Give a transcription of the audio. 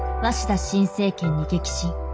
鷲田新政権に激震。